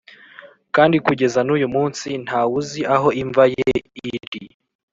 kandi kugeza n’uyu munsi nta wuzi aho imva ye iri